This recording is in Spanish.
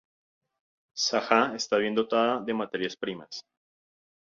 Sajá está bien dotada de materias primas.